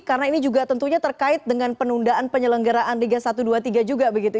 karena ini juga tentunya terkait dengan penundaan penyelenggaraan tiga ribu satu ratus dua puluh tiga juga begitu